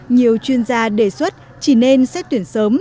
nhiều chuyên gia đề xuất chỉ nên xét tuyển sớm